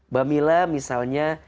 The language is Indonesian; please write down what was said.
bami lah misalnya